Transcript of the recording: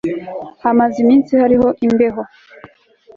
hamaze iminsi hariho imbewho